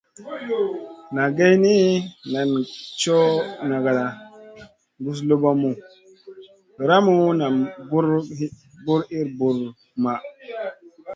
Na geyni, nan coʼ nagana, guzlobomu, ramu nam buw ir buwr maʼh.